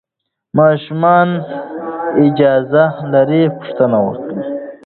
ماشومان اجازه لري پوښتنه وکړي.